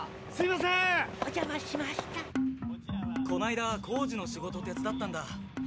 こないだ工事の仕事を手伝ったんだ。